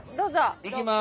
行きます。